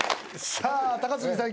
さあ高杉さん